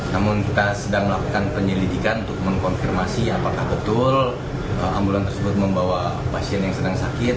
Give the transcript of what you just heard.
namun kita sedang melakukan penyelidikan untuk mengkonfirmasi apakah betul ambulans tersebut membawa pasien yang sedang sakit